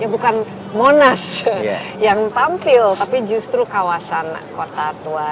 bukan monas yang tampil tapi justru kawasan kota tua